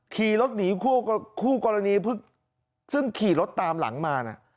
ขี่รถหนีคู่กรณีซึ่งขี่รถตามหลังมานะ